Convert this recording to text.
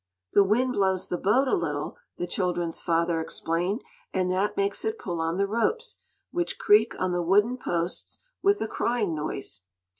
"The wind blows the boat a little," the children's father explained, "and that makes it pull on the ropes, which creak on the wooden posts with a crying noise."